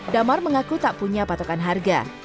damar mengaku tak punya patokan harga